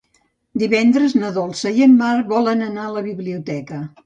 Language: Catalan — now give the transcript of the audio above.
Divendres na Dolça i en Marc volen anar a la biblioteca.